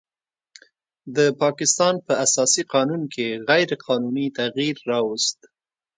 د پاکستان په اساسي قانون کې غیر قانوني تغیر راوست